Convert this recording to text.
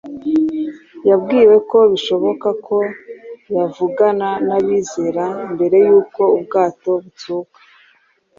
yabwiwe ko bishoboka ko yavugana n’abizera mbere y’uko ubwato butsuka.